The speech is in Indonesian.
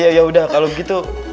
ya ya udah kalau begitu